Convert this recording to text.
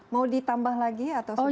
mau ditambah lagi atau sudah cukup